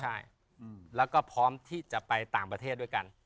ใช่แล้วก็พร้อมที่จะไปต่างประเทศด้วยกัน